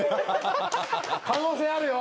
・可能性あるよ。